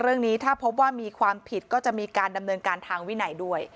เรื่องนี้ถ้าพบว่ามีความผิดก็จะมีการดำเนินการทางวินัยด้วย